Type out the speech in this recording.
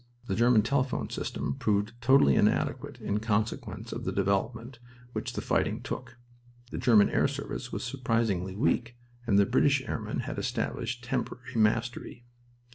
The German telephone system proved "totally inadequate in consequence of the development which the fighting took." The German air service was surprisingly weak, and the British airmen had established temporary mastery.